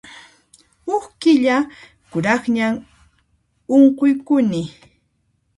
Huk killa kuraqñam unquykuni.